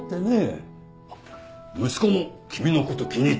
あっ息子も君のこと気に入ってる。